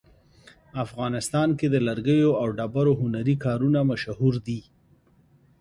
افغانستان کې د لرګیو او ډبرو هنري کارونه مشهور دي